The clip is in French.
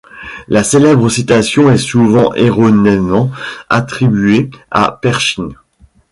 La célèbre citation est souvent erronément attribuée à Pershing.